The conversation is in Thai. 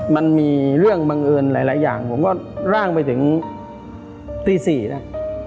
มันมีเรื่องบังเอิญหลายอย่างผมก็ร่างไปถึงตี๔นะ